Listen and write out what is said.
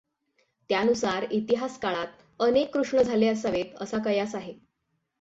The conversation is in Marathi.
त्यानुसार इतिहास काळात अनेक कृष्ण झाले असावेत असा कयास आहे.